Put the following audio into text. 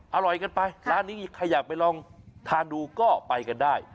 อร่อยกันไปร้านนี้ใครอยากไปลองทานดูก็ไปกันได้